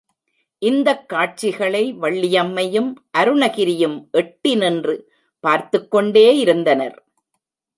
இந்த காட்சிகளை வள்ளியம்மையும், அருணகிரியும் எட்டி நின்று பார்த்துக் கொண்டே இருந்தனர்.